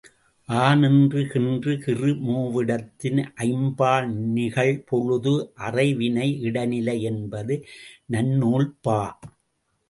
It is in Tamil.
ஆநின்று கின்று கிறு மூவிடத்தின் ஐம்பால் நிகழ்பொழுது அறைவினை இடைநிலை என்பது நன்னூல்பா.